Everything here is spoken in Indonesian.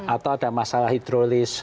atau ada masalah hidrolis